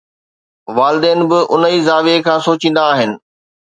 والدين به ان ئي زاويي کان سوچيندا آهن.